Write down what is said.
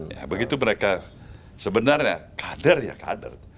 ya begitu mereka sebenarnya kader ya kader